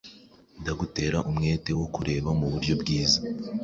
Ndagutera umwete wo kureba mu buryo bwiza